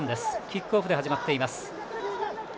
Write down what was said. キックオフで始まっています。